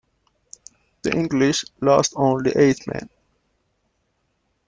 The English lost only eight men.